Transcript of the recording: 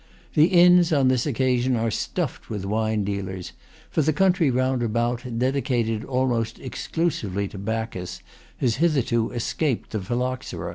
The inns, on this occasion, are stuffed with wine dealers; for the country roundabout, dedicated almost exclusively to Bacchus, has hitherto escaped the phylloxera.